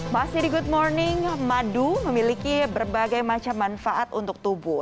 masih di good morning madu memiliki berbagai macam manfaat untuk tubuh